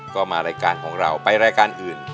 ก็มารายการของเราไปรายการอื่น